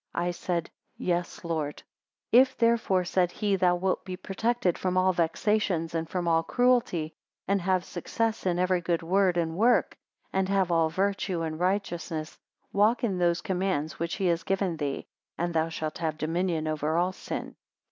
I said, Yes, Lord. 3 If therefore, said he, thou wilt be protected from all vexations and from all cruelty, and have success in every good word and work, and have all virtue and righteousness; walk in those commands which he has given thee, and thou shalt have dominion over all sin.